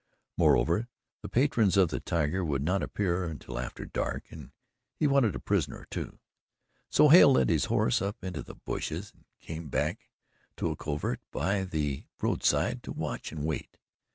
Moreover, the patrons of the tiger would not appear until after dark, and he wanted a prisoner or two. So Hale led his horse up into the bushes and came back to a covert by the roadside to watch and wait.